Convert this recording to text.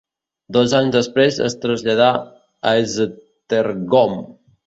Dos anys després es traslladà a Esztergom.